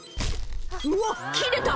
うわ切れた！